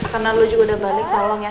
karena lu juga udah balik tolong ya